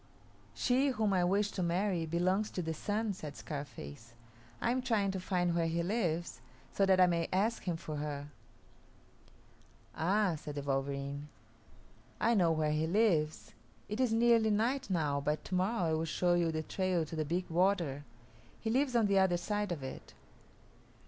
"She whom I wish to marry belongs to the Sun," said Scarface; "I am trying to find where he lives, so that I may ask him for her." "Ah," said the wolverene, "I know where he lives. It is nearly night now, but to morrow I will show you the trail to the big water. He lives on the other side of it."